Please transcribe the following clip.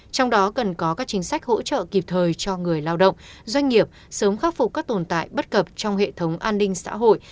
trong đó cần có các chính sách hỗ trợ kịp thời cho người lao động doanh nghiệp sớm khắc phục các tồn tại bất cập trong hệ thống an ninh xã hội